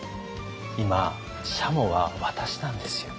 今しゃもは私なんですよ。